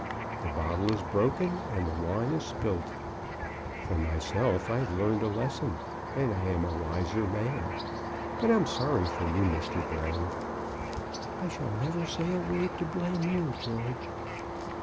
The bottle is broken and the wine is spilt. For myself, I've learned a lesson, and I am a wiser man; but I'm sorry for you, Mr. Brown. "I shall never say a word to blame you, George."